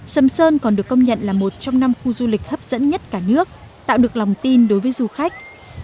sầm sơn còn được công nhận là một trong năm khu du lịch hấp dẫn nhất cả nước tạo được lòng tin đối với du khách